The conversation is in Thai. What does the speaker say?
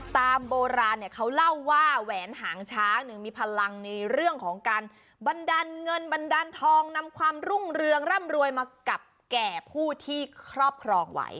ตามโบราณเนี่ยเขาเล่าว่าแหวนหางช้างมีพลังในเรื่องของการบันดาลเงินบันดาลทองนำความรุ่งเรืองร่ำรวยมากับแก่ผู้ที่ครอบครองไว้